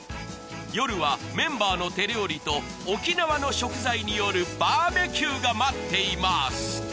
夜はメンバーの手料理と沖縄の食材によるバーベキューが待っています